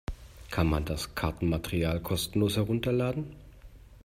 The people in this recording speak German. Kann man das Kartenmaterial kostenlos herunterladen?